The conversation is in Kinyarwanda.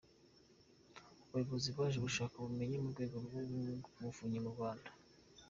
Abayobozi baje gushaka ubumenyi mu rwego rw’Umuvunyi mu Rwanda